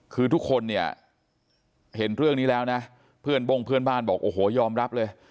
คือทุกคนเนี่ยเห็นเรื่องนี้แล้วนะเพื่อนบ้งเพื่อนบ้านบอกโอ้โหยอมรับเลย